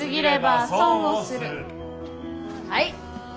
はい！